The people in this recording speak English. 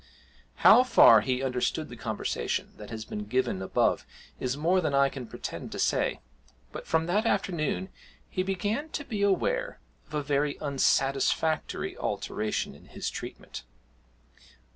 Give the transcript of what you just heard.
How far he understood the conversation that has been given above is more than I can pretend to say, but from that afternoon he began to be aware of a very unsatisfactory alteration in his treatment.